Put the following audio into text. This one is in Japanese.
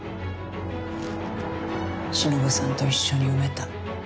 しのぶさんと一緒に埋めた。